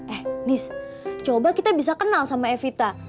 eh nis coba kita bisa kenal sama evita